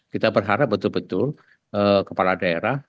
kita berharap betul betul kepala daerah